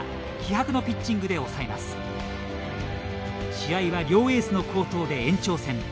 試合は両エースの好投で延長戦。